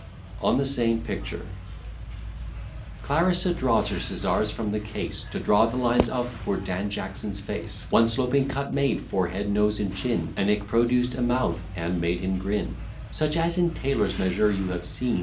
_] ON THE SAME PICTURE Clarissa draws her scissars from the case To draw the lines of poor Dan Jackson's face; One sloping cut made forehead, nose, and chin, A nick produced a mouth, and made him grin, Such as in tailor's measure you have seen.